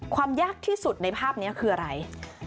ยากที่สุดในภาพนี้คืออะไร